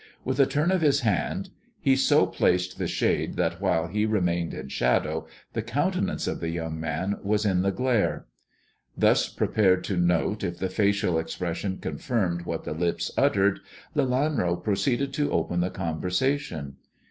With a turn of his hand he so placed the shade that while he remained in shadow the countenance of the young man was in the glare. Thus prepared to note if the facial ex THE DWARFS CHAMBER 63 pression confirmed what the lips uttered, Lelanro proceeded to open the conversatioQ.